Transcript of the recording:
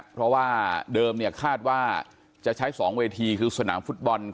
เพราะว่าเดิมเนี่ยคาดว่าจะใช้๒เวทีคือสนามฟุตบอล